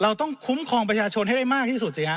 เราต้องคุ้มครองประชาชนให้ได้มากที่สุดสิฮะ